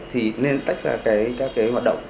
thì nên tách ra các cái hoạt động